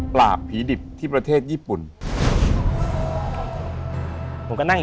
ปราบผีดิบที่ประเทศญี่ปุ่น